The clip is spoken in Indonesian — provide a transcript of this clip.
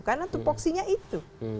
karena tu foksinya itu